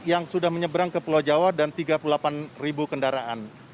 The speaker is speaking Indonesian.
yang sudah menyeberang ke pulau jawa dan tiga puluh delapan ribu kendaraan